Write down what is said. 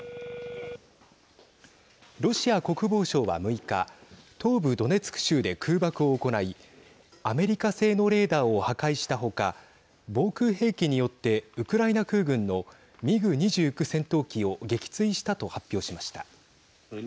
ロシア国防省は、６日東部ドネツク州で空爆を行いアメリカ製のレーダーを破壊したほか防空兵器によってウクライナ空軍のミグ２９戦闘機を撃墜したと発表しました。